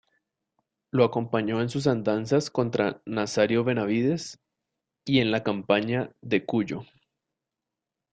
Lo acompañó en sus andanzas contra Nazario Benavídez y en la campaña de Cuyo.